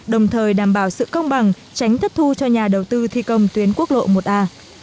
đồng thời đảm bảo sự công bằng tránh thất thu cho nhà đầu tư thi công tuyến quốc lộ một a